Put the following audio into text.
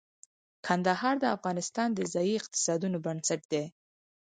کندهار د افغانستان د ځایي اقتصادونو بنسټ دی.